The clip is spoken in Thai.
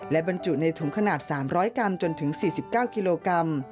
และบรรจุในถุงขนาด๓๐๐กรัมจนถึง๔๙กิโลกรัม